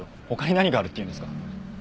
他に何があるって言うんですか？